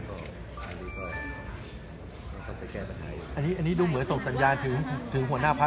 ตอนนี้ผมมาทำหน้าที่เป็นแล้วทุกวันดีกว่า